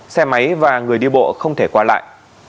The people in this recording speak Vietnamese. xe máy và người đi bộ không thể qua lại